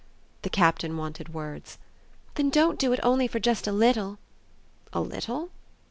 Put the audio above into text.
The Captain wanted words. "Then don't do it only for just a little." "A little?"